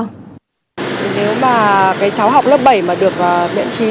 nếu mà cái cháu học lớp bảy mà được miễn phí